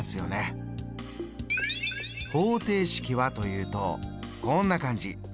方程式はというとこんな感じ。